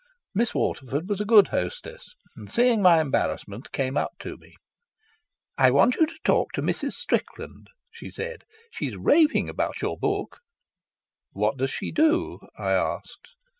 Miss Waterford was a good hostess, and seeing my embarrassment came up to me. "I want you to talk to Mrs. Strickland," she said. "She's raving about your book." "What does she do?" I asked.